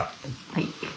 はい。